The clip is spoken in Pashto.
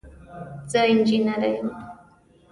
زه انجنیره یم.